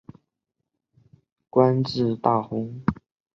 盛允官至大鸿胪。